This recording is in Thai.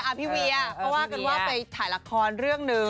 ก็ว่ากันว่าไปถ่ายละครเรื่องหนึ่ง